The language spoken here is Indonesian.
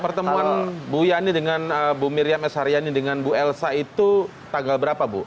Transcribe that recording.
pertemuan bu yani dengan bu miriam s haryani dengan bu elsa itu tanggal berapa bu